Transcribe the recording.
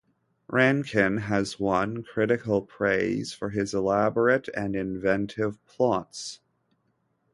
Rankin has won critical praise for his elaborate and inventive plots.